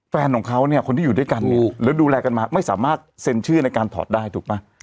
แฟนของเขาคนที่อยู่ด้วยกันแล้วดูแลกันมาไม่สามารถเซ็นชื่อในทัน